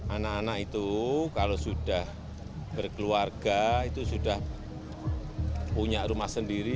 anak anak itu kalau sudah berkeluarga itu sudah punya rumah sendiri